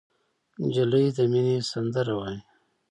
نجلۍ د مینې سندره وایي.